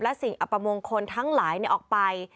และสิ่งอัปมงคลทั้งหลายออกไป